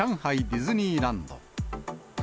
ディズニーランド。